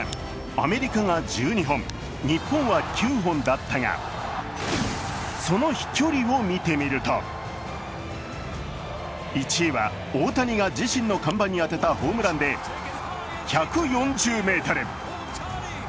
アメリカが１２本、日本は９本だったがその飛距離を見てみると１位は大谷が自身の看板に当てたホームランで１４０メートル。